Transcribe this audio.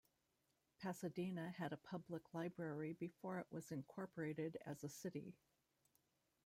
Pasadena had a public library before it was incorporated as a city.